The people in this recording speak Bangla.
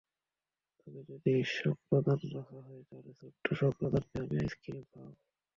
তবে যদি শকোদ্রান রাখা হয়, তাহলে ছোট্ট শকোদ্রানকে আমি আইসক্রিম খাওয়াব।